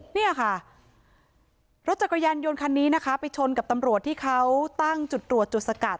เนี่ยค่ะรถจักรยานยนต์คันนี้นะคะไปชนกับตำรวจที่เขาตั้งจุดตรวจจุดสกัด